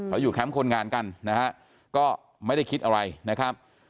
เขาอยู่แคมป์คนงานกันนะฮะก็ไม่ได้คิดอะไรนะครับ